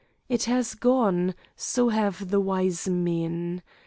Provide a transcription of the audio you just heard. It has gone so have the wise men.